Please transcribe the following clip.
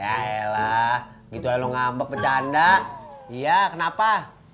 ya elah gitu lo ngambek bercanda iya kenapa